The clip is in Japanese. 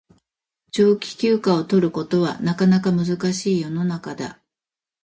長期休暇を取ることはなかなか難しい世の中だ